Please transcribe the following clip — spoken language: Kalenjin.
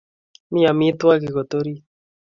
Mi amitwogik kot orit